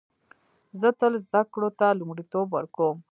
زه تل زده کړو ته لومړیتوب ورکوم